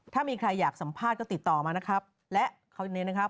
ถ้ามีใครอยากสัมภาษณ์ก็ติดต่อมานะครับและนี้นะครับ